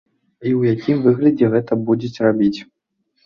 І ў якім выглядзе гэта будзеце рабіць?